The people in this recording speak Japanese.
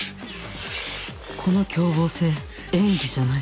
この凶暴性演技じゃない